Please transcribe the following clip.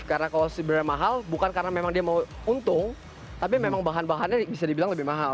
karena kalau sebenarnya mahal bukan karena memang dia mau untung tapi memang bahan bahannya bisa dibilang lebih mahal